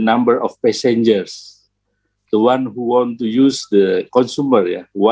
kami pertama tama meningkatkan jumlah pesawat